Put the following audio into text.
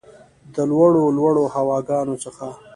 د لوړو ، لوړو هواګانو څخه